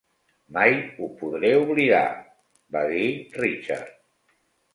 "Mai ho podré oblidar", va dir Richard.